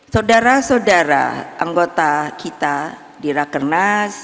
saudara saudara anggota kita di rakernas